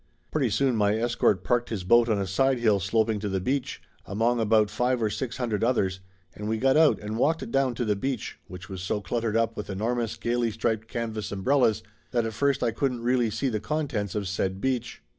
Pretty soon my escort parked his boat on a sidehill sloping to the beach, among about five or six hun dred others, and we got out and walked down to the beach, which was so cluttered up with enormous gayly striped canvas umbrellas that at first I couldn't really see the contents of said beach.